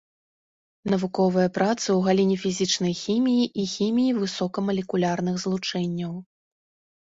Навуковыя працы ў галіне фізічнай хіміі і хіміі высокамалекулярных злучэнняў.